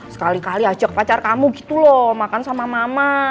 sekali kali ajak pacar kamu gitu loh makan sama mama